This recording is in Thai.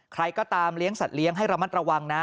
ใครก็ตามเลี้ยงสัตว์เลี้ยงให้ระมัดระวังนะ